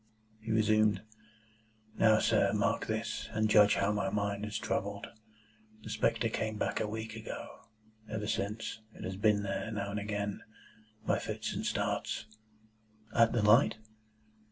He resumed. "Now, sir, mark this, and judge how my mind is troubled. The spectre came back a week ago. Ever since, it has been there, now and again, by fits and starts." "At the light?"